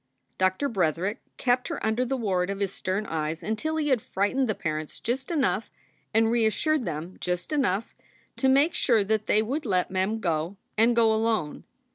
Doctor Bretherick kept her under the ward of his stern eyes until he had frightened the parents just enough and reassured them just enough to make sure that they would let Mem go, and go alone.